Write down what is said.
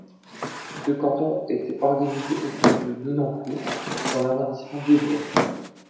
Ce canton était organisé autour de Nonancourt dans l'arrondissement d'Évreux.